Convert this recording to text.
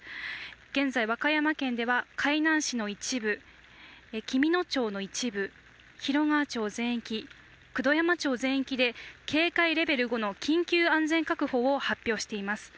現在、和歌山県では海南市の一部、紀美野町の一部、広川町全域、九度山町全域で警戒レベル５の緊急安全確保を発表しています。